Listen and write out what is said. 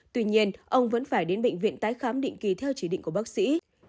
tuy nhiên ông vẫn phải đến bệnh viện tái khám định kỳ theo chỉ định của bác sĩ